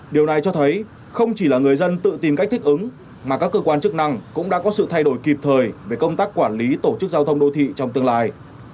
điều này cho thấy không chỉ là người dân tự tìm cách thích ứng mà các cơ quan chức năng cũng đã có sự thay đổi kịp thời về công tác quản lý tổ chức giao thông đô thị trong tương lai